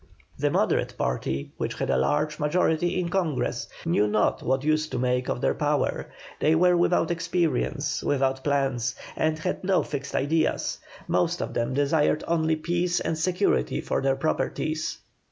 The Moderate party, which had a large majority in Congress, knew not what use to make of their power; they were without experience, without plans, and had no fixed ideas; most of them desired only peace and security for their properties.